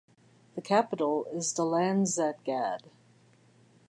The capital is Dalanzadgad.